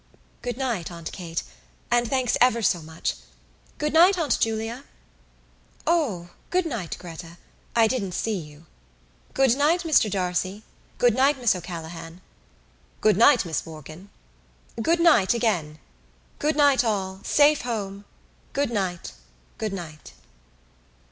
"Good night, Aunt Kate, and thanks ever so much. Good night, Aunt Julia." "O, good night, Gretta, I didn't see you." "Good night, Mr D'Arcy. Good night, Miss O'Callaghan." "Good night, Miss Morkan." "Good night, again." "Good night, all. Safe home." "Good night. Good night."